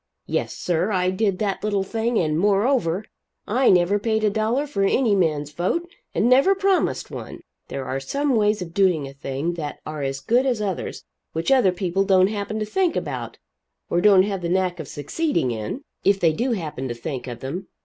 Yes, sir, I did that little thing. And moreover, I never paid a dollar for any man's vote and never promised one. There are some ways of doing a thing that are as good as others which other people don't happen to think about, or don't have the knack of succeeding in, if they do happen to think of them.